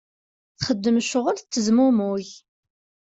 Txeddem ccɣel tettezmumug.